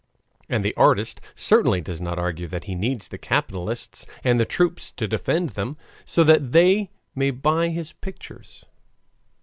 And the artist certainly does not argue that he needs the capitalists and the troops to defend them, so that they may buy his pictures.